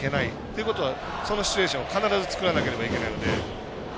ということはそのシチュエーション作らなければいけないので。